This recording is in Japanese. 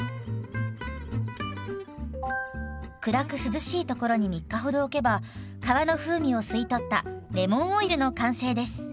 暗く涼しいところに３日ほど置けば皮の風味を吸い取ったレモンオイルの完成です。